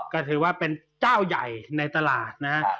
ก็ถือว่าเป็นเจ้าใหญ่ในตลาดนะครับ